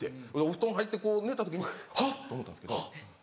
布団入って寝た時にはっ！と思ったんですけど。